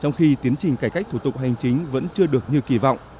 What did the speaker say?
trong khi tiến trình cải cách thủ tục hành chính vẫn chưa được như kỳ vọng